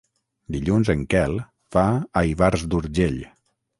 Dilluns en Quel va a Ivars d'Urgell.